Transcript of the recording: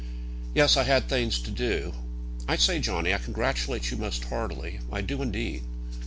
"Yes; I had things to do. I say, Johnny, I congratulate you most heartily; I do, indeed."